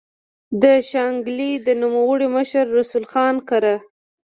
د شانګلې د نوموړي مشر رسول خان کره